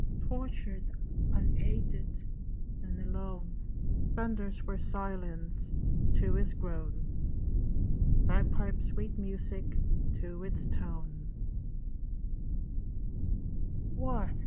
Tortured, unaided, and alone, Thunders were silence to his groan, Bagpipes sweet music to its tone: "What?